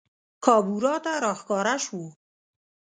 کابورا ته راښکاره سوو